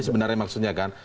sebenarnya maksudnya kan